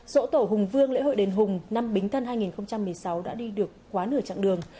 dỗ tổ hùng vương lễ hội đền hùng năm bính thân hai nghìn một mươi sáu đã đi được quá nửa chặng đường